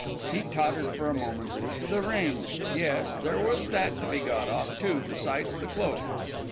He tottered for a moment. The ring! Yes, there was that to be got off, too, besides the cloak.